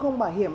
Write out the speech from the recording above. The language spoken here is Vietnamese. không bảo hiểm